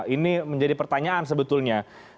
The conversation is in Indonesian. ini menjadi pertanyaan sebetulnya